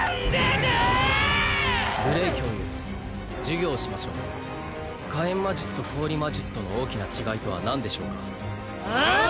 グレイ教諭授業をしましょう火炎魔術と氷魔術との大きな違いとは何でしょうかああん！？